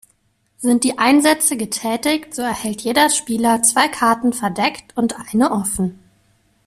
Sind die Einsätze getätigt, so erhält jeder Spieler zwei Karten verdeckt und eine offen.